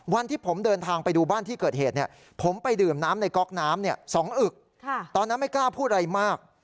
วันที่ผมเดินทางไปดูบ้านที่เกิดเหตุผมไปดื่มน้ำในก๊อกน้ำ๒อึกตอนนั้นไม่กล้าพูดอะไรมาก